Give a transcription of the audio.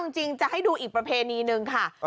จริงจะให้ดูอีกประเพณีหนึ่งค่ะ